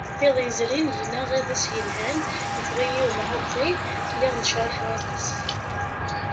Iḍ yezrin gneɣ iḍes yelhan, yeffeɣ-iyi umɛuqqi, lliɣ necraḥeɣ aṭas.